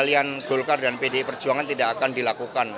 pertian dulukar dan pd perjuangan tidak akan dilakukan